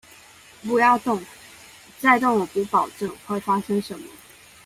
不要動，再動我不保證會發生什麼